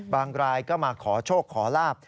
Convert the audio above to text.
รายก็มาขอโชคขอลาบ